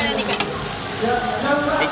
harapan kehidupannya gimana nih kak